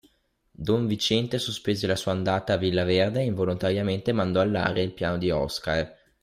Don Viciente sospese la sua andata a Villa Verde e involontariamente mandò all'aria il piano di Oscar.